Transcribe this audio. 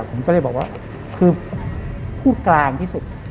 ผมก็เลยบอกว่าคือพูดกลางที่สุด